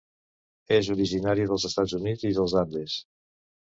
És originària dels Estats Units i dels Andes.